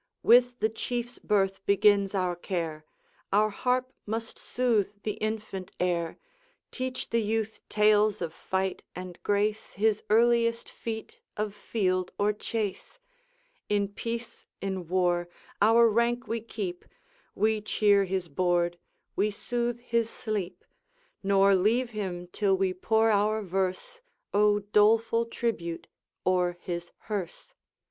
With the Chief's birth begins our care; Our harp must soothe the infant heir, Teach the youth tales of fight, and grace His earliest feat of field or chase; In peace, in war, our rank we keep, We cheer his board, we soothe his sleep, Nor leave him till we pour our verse A doleful tribute! o'er his hearse.